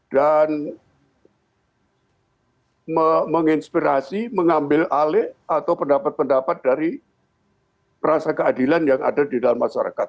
dan menginspirasi mengambil alih atau pendapat pendapat dari perasa keadilan yang ada di dalam masyarakat